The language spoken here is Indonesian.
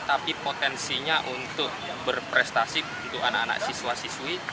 tapi potensinya untuk berprestasi untuk anak anak siswa siswi